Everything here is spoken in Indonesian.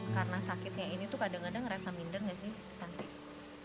karena sakitnya ini tuh kadang kadang ngerasa minder gak sih